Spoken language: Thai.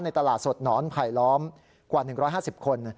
ตลาดสดหนอนไผลล้อมกว่า๑๕๐คน